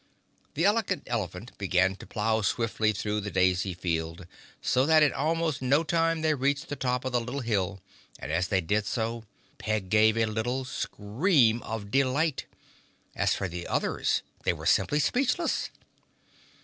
The Elegant Elephant began to plow swiftly through the daisy field, so that in almost no time they reached the top of the little hill and as they did so Peg gave a little scream of delight. As for the others, they were simply speechless.